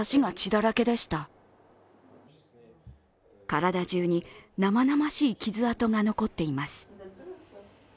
体じゅうに生々しい傷痕が残っています。